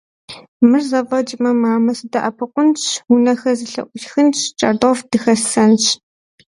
Мыр зэфӏэкӏмэ, мамэ сыдэӏэпыкъунщ, унэхэр зэлъыӏусхынщ, кӏэртӏоф дыхэссэнщ.